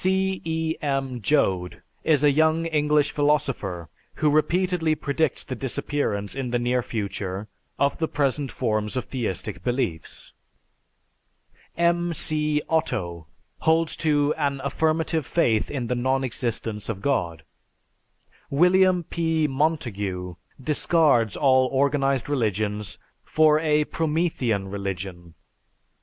C. E. M. Joad is a young English philosopher who repeatedly predicts the disappearance in the near future of the present forms of theistic beliefs. M. C. Otto holds to "An affirmative faith in the non existence of God." William P. Montague discards all organized religions for a "Promethean Religion."